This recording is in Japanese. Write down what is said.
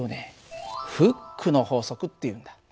フックの法則っていうんだ。